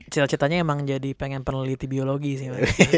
cita citanya emang jadi pengen peneliti biologi sih